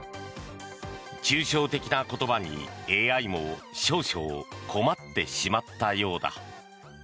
抽象的な言葉に、ＡＩも少々困ってしまったようだ。